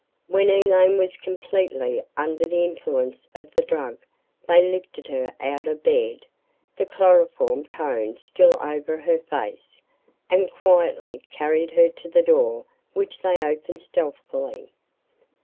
When Elaine was completely under the influence of the drug, they lifted her out of bed, the chloroform cone still over her face, and quietly carried her to the door which they opened stealthily.